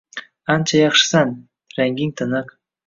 Ancha yaxshisan, ranging tiniq.